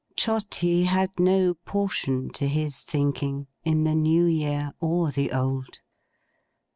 Trotty had no portion, to his thinking, in the New Year or the Old.